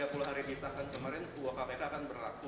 setelah tiga puluh hari bisakan kemarin uu kpk akan berlaku